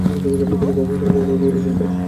তুমি ক্ষমতার অপব্যবহার করেছ বেশ।